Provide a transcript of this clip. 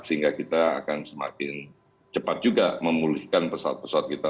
sehingga kita akan semakin cepat juga memulihkan pesawat pesawat kita